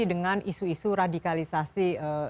dengan isu isu radikalisasi